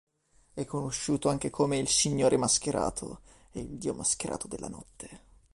È conosciuto anche come Il Signore Mascherato e Il Dio Mascherato della Notte.